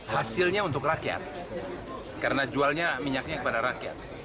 hasilnya untuk rakyat karena jualnya minyaknya kepada rakyat